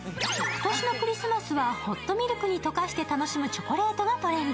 今年のクリスマスはホットミルクに溶かして楽しむチョコレートがトレンド。